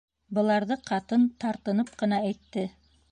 — Быларҙы ҡатын тартынып ҡына әйтте.